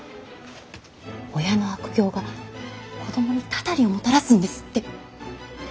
親の悪行が子供にたたりをもたらすんですって。